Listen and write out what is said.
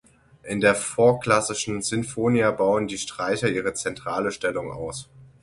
In der vorklassischen Sinfonia bauen die Streicher ihre zentrale Stellung aus.